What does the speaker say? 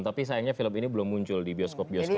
tapi sayangnya film ini belum muncul di bioskop bioskop